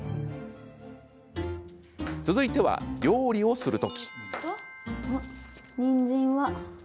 続いては料理をする時。